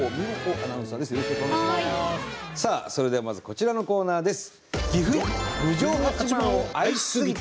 さあそれではまずこちらのコーナーです。